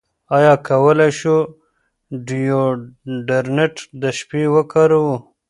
ایا کولی شو ډیوډرنټ د شپې وکاروو؟